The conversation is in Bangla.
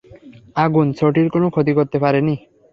আগুন ছোটির কোনো ক্ষতি করতে পারেনি।